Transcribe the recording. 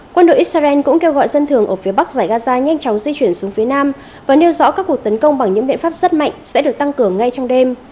quân đội israel cũng kêu gọi dân thường ở phía bắc giải gaza nhanh chóng di chuyển xuống phía nam và nêu rõ các cuộc tấn công bằng những biện pháp rất mạnh sẽ được tăng cường ngay trong đêm